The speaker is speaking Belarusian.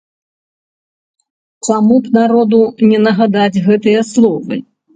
Чаму б народу не нагадаць гэтыя словы?